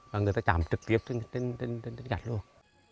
và người ta chạm trực tiếp trên gạch luôn